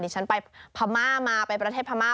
ฉันไปพม่ามาไปประเทศพม่า